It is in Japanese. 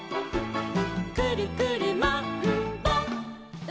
「くるくるマンボウ！」